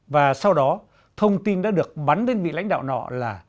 và sau đó thông tin đã được bắn đến vị lãnh đạo nọ là